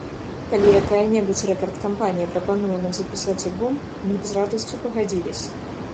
Калі якая-небудзь рэкард-кампанія прапануе нам запісаць альбом, мы б з радасцю пагадзіліся.